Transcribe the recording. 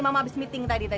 mama habis meeting tadi tadi